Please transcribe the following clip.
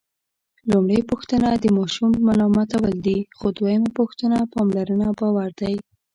لومړۍ پوښتنه د ماشوم ملامتول دي، خو دویمه پوښتنه پاملرنه او باور دی.